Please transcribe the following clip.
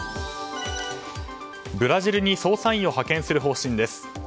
ブラジルに捜査員を派遣する方針です。